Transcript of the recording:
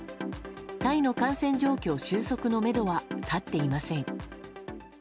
タイの感染状況収束のめどは立っていません。